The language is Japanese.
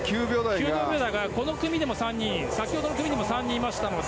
９秒台がこの組でも３人先ほどの組でも３人いましたので。